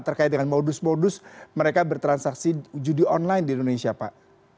terkait dengan modus modus mereka bertransaksi judi online di indonesia pak